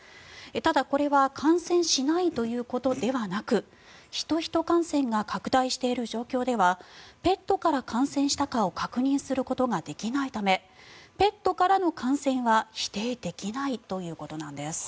ただ、これは感染しないということではなくヒトヒト感染が拡大している状況ではペットから感染したかを確認することができないためペットからの感染は否定できないということなんです。